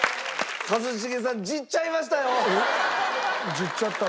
じっちゃったろ？